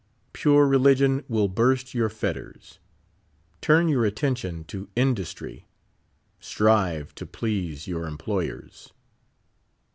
Pure re ligion will burst your fetters. Turn your attention to industry. Strive to please your employers.